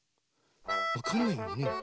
わかんないよね？